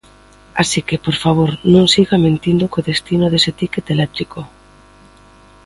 Así que, por favor, non siga mentindo co destino dese tícket eléctrico.